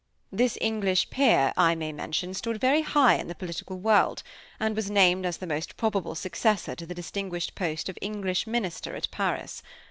This English peer, I may mention, stood very high in the political world, and was named as the most probable successor to the distinguished post of English Minister at Paris.